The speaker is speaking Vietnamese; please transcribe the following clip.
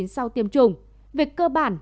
sau tiêm chủng việc cơ bản